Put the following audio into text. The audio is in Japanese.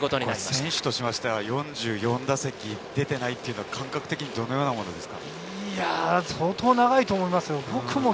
選手としては４４打席出ていないのは感覚的にどうですか？